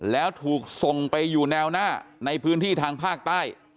แล้วถูกส่งไปอยู่แนวหน้าในพื้นที่ทางภาคใต้